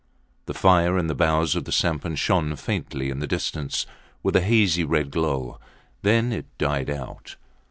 The fire in the bows of the sampan shone faintly in the distance with a hazy red glow. Then it died out.